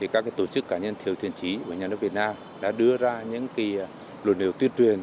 các tổ chức cá nhân thiếu thiền trí của nhà nước việt nam đã đưa ra những luận điệu tuyên truyền